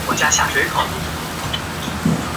维埃维涅人口变化图示